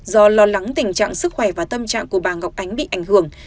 do lo lắng tình trạng sức khỏe và tâm trạng của bà ngọc ánh bị ảnh hưởng